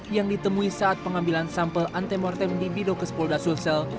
yang ditemui saat pengambilan sampel antemortem di bidokespolda sulsel